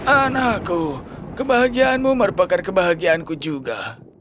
anakku kebahagiaanmu merupakan kebahagiaanku juga